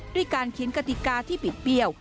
ด้วยการเขียนกติกาที่บิดเบี้ยว